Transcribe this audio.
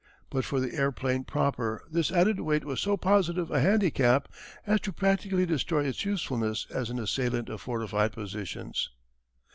But for the airplane proper this added weight was so positive a handicap as to practically destroy its usefulness as an assailant of fortified positions.